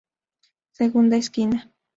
Segunda Esquina.